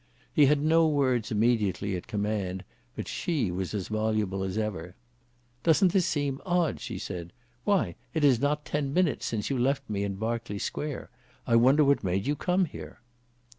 He had no words immediately at command, but she was as voluble as ever. "Doesn't this seem odd?" she said. "Why, it is not ten minutes since you left me in Berkeley Square. I wonder what made you come here."